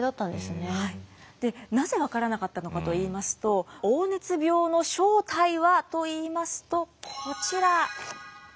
なぜ分からなかったのかといいますと黄熱病の正体はといいますとこちら。